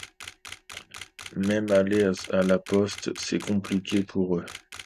Même aller à la Poste, c’est compliqué, pour eux.